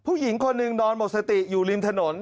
ผู้หญิงคนหนึ่งนอนหมดสติอยู่ริมถนน